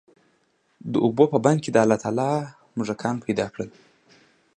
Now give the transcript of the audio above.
د اوبو په بند کي الله تعالی موږکان پيدا کړل،